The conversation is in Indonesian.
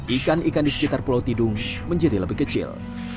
ikan ikan di sekitar pulau tidung menjadi lebih kecil